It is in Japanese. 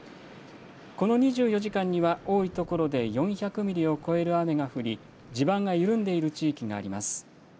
この２４時間には、多い所で４００ミリを超える雨が降り、地盤が緩んでいる地域があります。